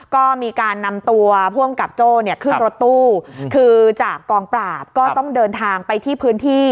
ก็มีการนำตัวผู้อำกับโจ้เนี่ยขึ้นรถตู้คือจากกองปราบก็ต้องเดินทางไปที่พื้นที่